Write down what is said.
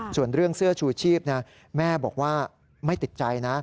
ส่วนเรื่องเสื้อชูชีพแม่บอกว่าไม่ติดใจนะ